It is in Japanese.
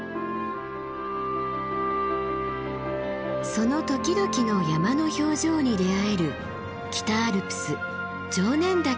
その時々の山の表情に出会える北アルプス常念岳です。